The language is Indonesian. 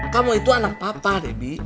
kamu itu anak papa debbie